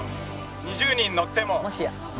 ２０人乗っても。